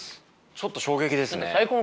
ちょっと衝撃ですね。